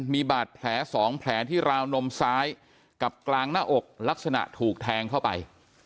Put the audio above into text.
มีบาดแผล๒แผลที่ราวนมซ้ายกับกลางหน้าอกลักษณะถูกแทงเข้าไป